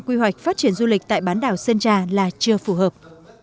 không xây mới trên cơ sở lưu trú bán đảo sơn trà của hiệp hội du lịch đà nẵng